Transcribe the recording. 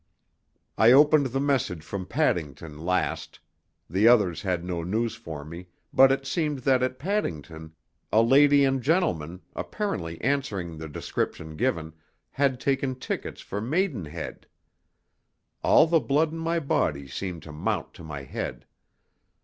I opened the message from Paddington last; the others had no news for me, but it seemed that at Paddington a lady and gentleman, apparently answering the description given, had taken tickets for Maidenhead. All the blood in my body seemed to mount to my head.